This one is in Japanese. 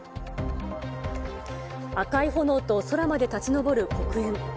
赤い炎と空まで立ち上る黒煙。